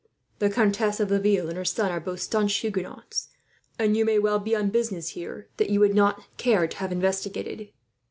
The Countess of Laville and her son are both staunch Huguenots, and you may well be on business here that you would not care to have investigated.